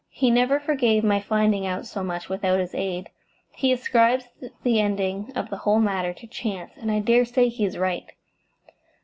"He never forgave my finding out so much without his aid. He ascribes the ending of the whole matter to chance, and I dare say he is right."